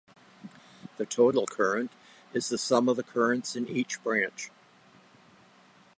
The total current is the sum of the currents in each branch.